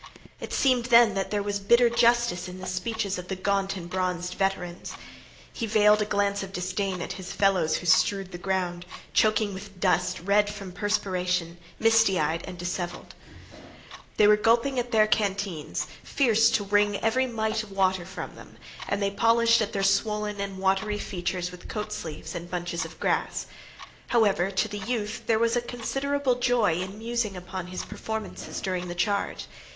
It seemed, then, that there was bitter justice in the speeches of the gaunt and bronzed veterans. He veiled a glance of disdain at his fellows who strewed the ground, choking with dust, red from perspiration, misty eyed, disheveled. They were gulping at their canteens, fierce to wring every mite of water from them, and they polished at their swollen and watery features with coat sleeves and bunches of grass. However, to the youth there was a considerable joy in musing upon his performances during the charge.